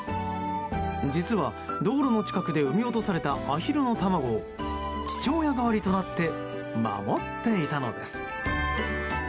実は、道路の近くで産み落とされたアヒルの卵を父親代わりとなって守っていたのです。